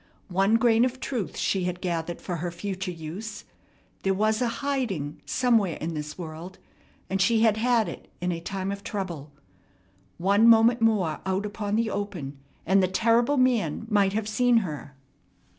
One grain of truth she had gathered for her future use. There was a "hiding" somewhere in this world, and she had had it in a time of trouble. One moment more out upon the open, and the terrible man might have seen her.